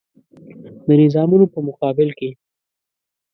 د نظامونو په مقابل کې.